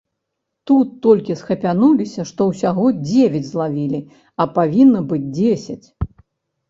Тут толькі схапянуліся, што ўсяго дзевяць злавілі, а павінна быць дзесяць.